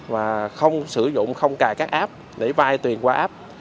và không sử dụng không cài các app để vai tiền qua app